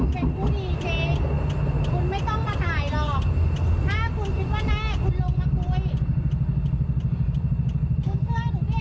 เที่ยวไม่ได้กลัวอย่างไรคุณผู้ชม